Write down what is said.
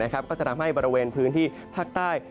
ก็จะทำให้บริเวณพื้นที่ภาคใต้